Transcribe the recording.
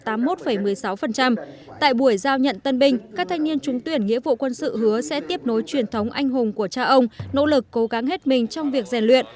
tại buổi giao nhận tân binh các thanh niên trúng tuyển nghĩa vụ quân sự hứa sẽ tiếp nối truyền thống anh hùng của cha ông nỗ lực cố gắng hết mình trong việc rèn luyện